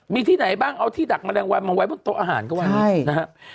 มีที่ไหนบ้างเอาที่ดักแมลงวันมาไว้บนโต๊ะอาหารก็ว่านี้นะครับ